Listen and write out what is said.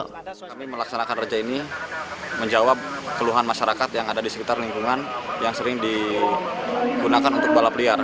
kami melaksanakan reja ini menjawab keluhan masyarakat yang ada di sekitar lingkungan yang sering digunakan untuk balap liar